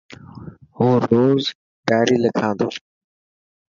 هون روز ڊائري لکا تو.